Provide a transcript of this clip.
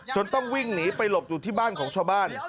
ต้องวิ่งหนีไปหลบอยู่ที่บ้านของชาวบ้าน